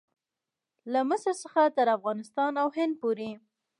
له مصر څخه تر افغانستان او هند پورې.